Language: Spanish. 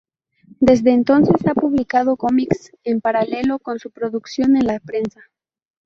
Desde entonces ha publicado cómics en paralelo con su producción en la prensa.